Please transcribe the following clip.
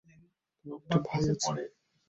তোমার একটা ভাই আছে?